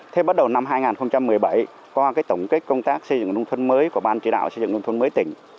thế bắt đầu năm hai nghìn một mươi bảy qua tổng kết công tác xây dựng nông thôn mới của ban chỉ đạo xây dựng nông thôn mới tỉnh